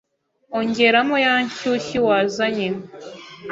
Ongeramo ya nshushyu wazanye